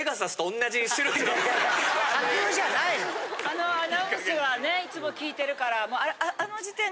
あのアナウンスはねいつも聞いてるから。